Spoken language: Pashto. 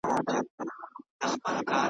جهاني دلته یو رنګي ده د کېمیا په بیه .